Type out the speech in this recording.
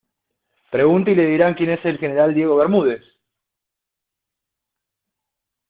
pregunte y le dirán quién es el general Diego Bermúdez.